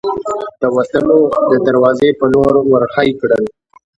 د وتلو د دراوزې په لور ور هۍ کړل.